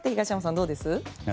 東山さん、どうです？